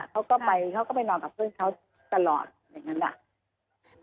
เขาก็ไปเขาก็ไปนอนกับเพื่อนเขาตลอดอย่างนั้นแหละ